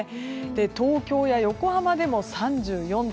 東京や横浜でも３４度。